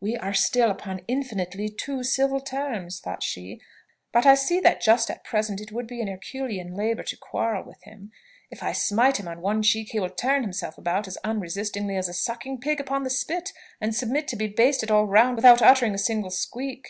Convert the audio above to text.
"We are still upon infinitely too civil terms," thought she: "but I see that just at present it would be an Herculean labour to quarrel with him: if I smite him on one cheek, he will turn himself about as unresistingly as a sucking pig upon the spit, and submit to be basted all round without uttering a single squeak.